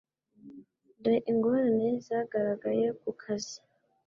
dore Ingorane zagaragaye ku kazi